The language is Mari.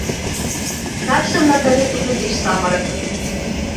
Такшым Натали тудын деч самырык».